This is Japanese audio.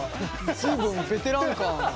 随分ベテラン感が。